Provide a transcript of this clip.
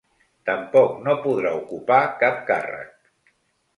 Tampoc no podrà ocupar cap càrrec.